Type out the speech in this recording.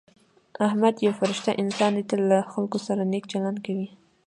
احمد یو ډېر فرشته انسان دی. تل له خلکو سره نېک چلند کوي.